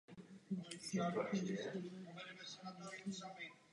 Zasedal v černovické obchodní a živnostenské komoře.